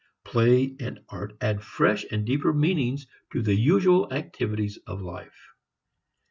Play and art add fresh and deeper meanings to the usual activities of life.